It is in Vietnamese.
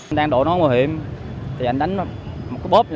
anh đang đổ nón bảo hiểm thì anh đánh một cái bóp vào